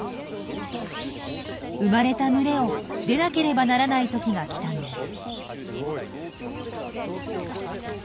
生まれた群れを出なければならない時が来たんです。